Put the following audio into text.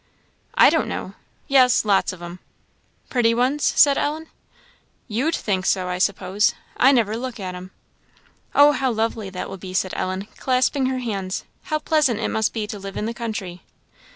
"I don't know yes, lots of 'em." "Pretty ones?" said Ellen. "You'd think so, I suppose; I never look at 'em." "Oh, how lovely that will be!" said Ellen, clasping her hands. "How pleasant it must be to live in the country!"